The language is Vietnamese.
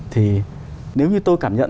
thì nếu như tôi cảm nhận